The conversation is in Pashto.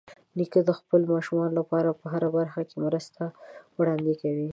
نیکه د خپلو ماشومانو لپاره په هره برخه کې مرستې وړاندې کوي.